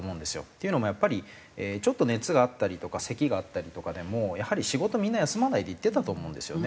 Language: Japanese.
っていうのもやっぱりちょっと熱があったりとかせきがあったりとかでもやはり仕事みんな休まないで行ってたと思うんですよね。